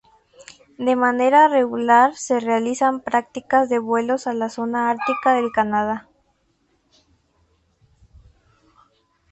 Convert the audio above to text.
De manera regular se realizan prácticas de vuelos a la zona ártica del Canadá.